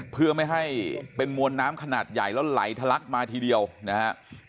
เพื่อไม่ให้เป็นมวลน้ำขนาดใหญ่แล้วไหลทะลักมาทีเดียวนะครับ